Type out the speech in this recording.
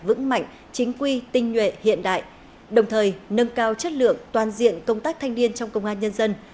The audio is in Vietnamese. vững mạnh chính quy tinh nhuệ hiện đại đồng thời nâng cao chất lượng toàn diện công tác thanh niên trong công an nhân dân